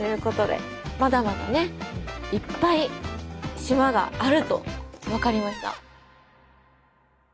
まだまだねいっぱい島があると分かりました。